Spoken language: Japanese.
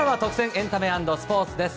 エンタメ＆スポーツです。